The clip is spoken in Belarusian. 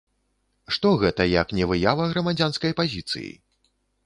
Што гэта, як не выява грамадзянскай пазіцыі?